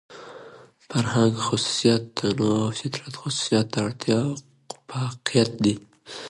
د فرهنګ خصوصيت تنوع او د فطرت خصوصيت اړتيا او اۤفاقيت دى.